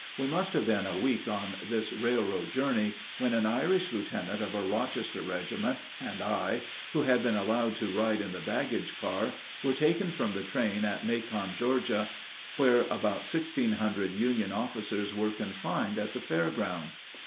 We must have been a week on this railroad journey when an Irish lieutenant of a Rochester regiment and I, who had been allowed to ride in the baggage car, were taken from the train at Macon, Georgia, where about sixteen hundred Union officers were confined at the fair grounds.